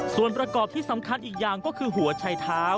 ส่วนประกอบที่สำคัญอีกอย่างก็คือหัวชัยเท้า